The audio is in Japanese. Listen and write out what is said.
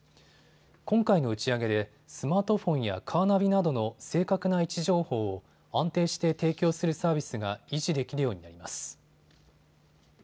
今回の打ち上げでスマートフォンやカーナビなどの正確な位置情報を安定して提供するサービスが維持できるようになります。